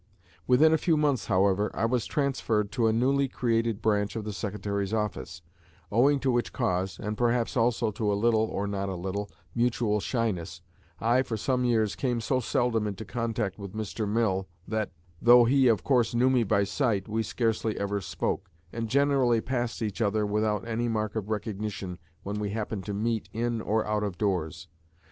Within a few months, however, I was transferred to a newly created branch of the secretary's office; owing to which cause, and perhaps also to a little (or not a little) mutual shyness, I for some years came so seldom into contact with Mr. Mill, that, though he of course knew me by sight, we scarcely ever spoke, and generally passed each other without any mark of recognition when we happened to meet in or out of doors.